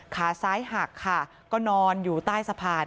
ขาซ้ายหักค่ะก็นอนอยู่ใต้สะพาน